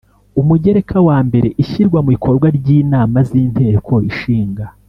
Umugereka wa Mbere Ishyirwa mu bikorwa ry inama z Inteko Ishinga